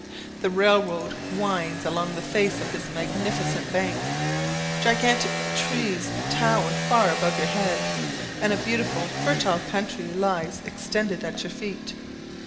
The railroad winds along the face of this magnificent bank. Gigantic trees tower far above your head, and a beautiful fertile country lies extended at your feet.